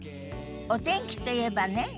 お天気といえばね